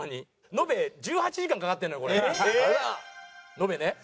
延べね。